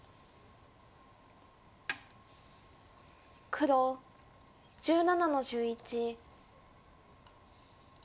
黒１７の十一。